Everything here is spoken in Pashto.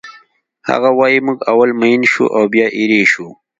هغه وایی موږ اول مین شو او بیا ایرې شو